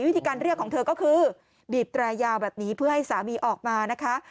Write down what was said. วิธีการเรียกของเธอก็คือบีบแตรยาวแบบนี้เพื่อให้สามีออกมานะคะ